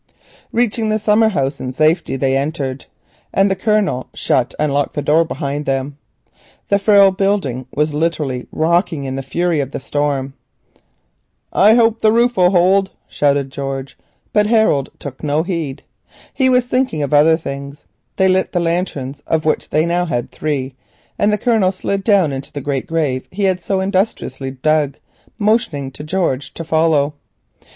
Reaching the summer house in safety, they entered, and the Colonel shut and locked the door behind them. The frail building was literally rocking in the fury of the storm. "I hope the roof will hold," shouted George, but Harold took no heed. He was thinking of other things. They lit the lanterns, of which they now had three, and the Colonel slid down into the great grave he had so industriously dug, motioning to George to follow.